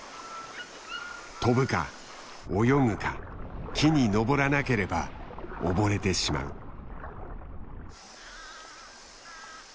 飛ぶか泳ぐか木に登らなければ溺れてしまう。